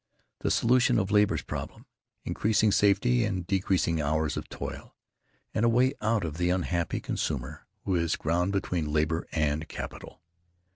The solution of labor's problem; increasing safety and decreasing hours of toil, and a way out for the unhappy consumer who is ground between labor and capital.